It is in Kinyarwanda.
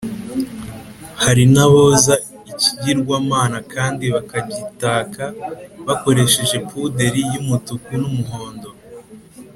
hari n’aboza ikigirwamana kandi bakagitaka bakoresheje puderi y’umutuku n’umuhondo